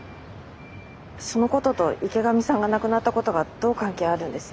そのことと池上さんが亡くなったことがどう関係あるんです？